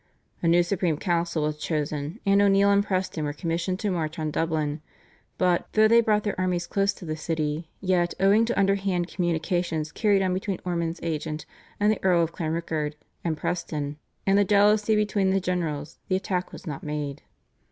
A new Supreme Council was chosen, and O'Neill and Preston were commissioned to march on Dublin, but, though they brought their armies close to the city, yet, owing to underhand communications carried on between Ormond's agent, the Earl of Clanrickard, and Preston, and the jealousy between the generals, the attack was not made.